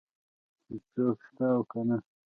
چې څوک شته او که نه.